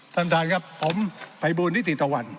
ท่านทางครับผมไฟบูรณิติตะวัน